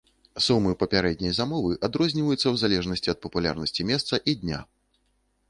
Сумы папярэдняй замовы адрозніваюцца ў залежнасці ад папулярнасці месца і дня.